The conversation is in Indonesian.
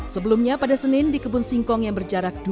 sebelumnya pada senin di kebun singkong yang berjarak